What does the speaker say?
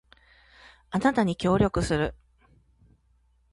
あなたに協力する